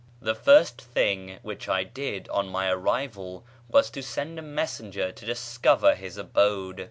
The first thing which I did on my arrival was to send a messenger to discover his abode.